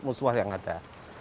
pusuah yang ada